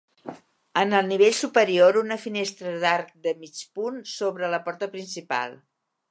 En el nivell superior, una finestra d'arc de mig punt sobre la porta principal.